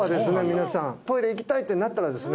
皆さんトイレ行きたいってなったらですね